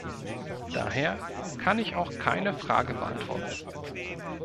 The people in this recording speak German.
Daher kann ich auch keine Frage beantworten.